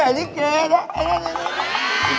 ตั้งใจจะรวยนะ